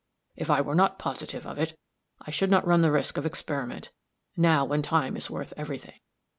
If I were not positive of it, I should not run the risk of experiment, now, when time is worth every thing.